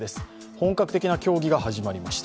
本格的な協議が始まりました。